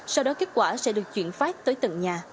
sau đó kết quả sẽ được chuyển phát tới tận nhà